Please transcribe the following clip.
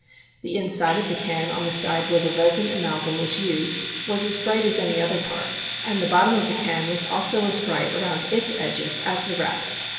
The inside of the can on the side where the resin amalgum was used was as bright as any other part, and the bottom of the can was also as bright around its edges as the rest.